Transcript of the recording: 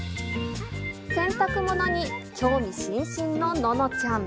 洗濯物に興味津々の、ののちゃん。